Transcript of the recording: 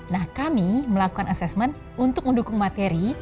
nah kami melakukan asesmen untuk mendukung materi